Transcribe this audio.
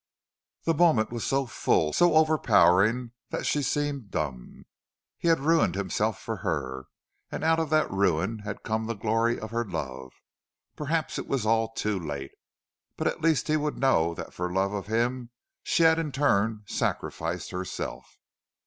The moment was so full, so overpowering, that she seemed dumb. He had ruined himself for her, and out of that ruin had come the glory of her love. Perhaps it was all too late, but at least he would know that for love of him she had in turn sacrificed herself.